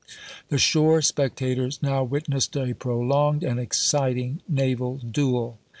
The shore spectators now witnessed a prolonged and exciting naval duel.